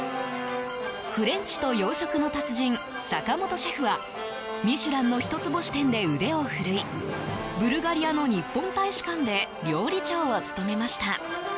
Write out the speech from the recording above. フレンチと洋食の達人坂本シェフはミシュランの一つ星店で腕をふるいブルガリアの日本大使館で料理長を務めました。